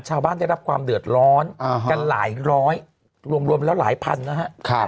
ชาวบ้านได้รับความเดือดร้อนกันหลายร้อยรวมแล้วหลายพันนะครับ